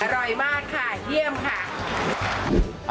อร่อยมากค่ะเยี่ยมค่ะ